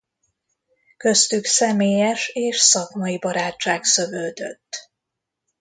Köztük személyes és szakmai barátság szövődött.